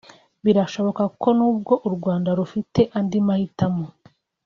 Birashoboka ko nubwo u Rwanda rufite andi mahitamo